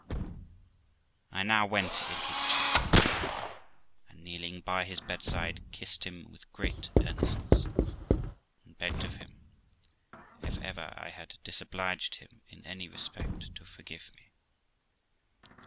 I now went into the chamber, and kneeling by his bed side, kissed him with great earnestness, and begged of him, if ever I had disobliged him in any respect, to forgive me.